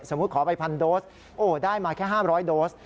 สมมุติขอไป๑๐๐๐โดสได้มาแค่๕๐๐โดส